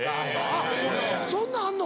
あっそんなんあんの？